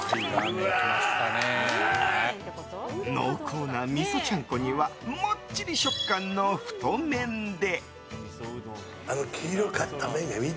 濃厚なみそちゃんこにはもっちり食感の太麺で。